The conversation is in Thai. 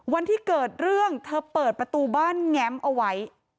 วันที่เกิดเรื่องเธอเปิดประตูบ้านแง้มเอาไว้